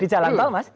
di jalan tol mas